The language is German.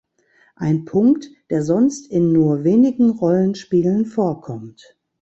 Ein Punkt, der sonst in nur wenigen Rollenspielen vorkommt.